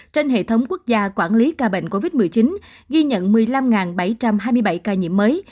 trên hệ thống quốc gia quản lý ca bệnh covid một mươi chín ghi nhận một mươi năm bảy trăm hai mươi bảy ca nhiễm mới